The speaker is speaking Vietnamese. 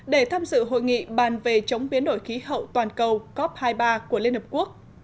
để tham dự hội nghị bàn về chống biến đổi khí hậu toàn cầu cop hai mươi ba của liên hợp quốc